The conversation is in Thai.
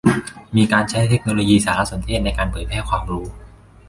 มีการใช้เทคโนโลยีสารสนเทศในการเผยแพร่ความรู้